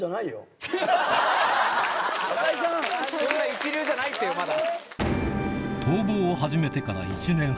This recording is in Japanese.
一流じゃないってよまだ。